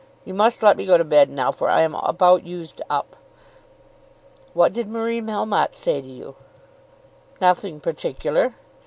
You must let me go to bed now, for I am about used up." "What did Marie Melmotte say to you?" "Nothing particular."